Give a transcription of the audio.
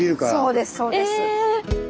そうですそうです。え！